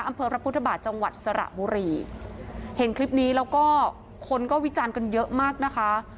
อำเภอพระพุทธบาทจังหวัดสระบุรีเห็นคลิปนี้แล้วก็คนก็วิจารณ์กันเยอะมากนะคะ